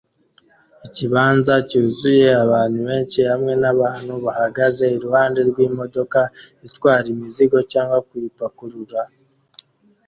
Ikibanza cyuzuye abantu benshi hamwe nabantu bahagaze iruhande rwimodoka itwara imizigo cyangwa kuyipakurura aa